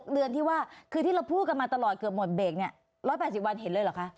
เดือนที่ว่าคือที่เราพูดกันมาตลอดเกือบหมดเบรกเนี่ย๑๘๐วันเห็นเลยเหรอคะ